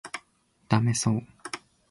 ダメそう